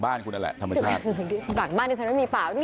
มันก็เห็นอะไรมืด